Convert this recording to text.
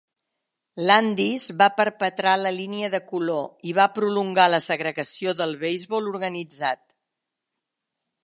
Landis va perpetrar la línia de color i va prolongar la segregació del beisbol organitzat.